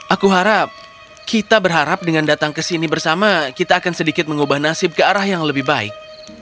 aku harap kita berharap dengan datang ke sini bersama kita akan sedikit mengubah nasib ke arah yang lebih baik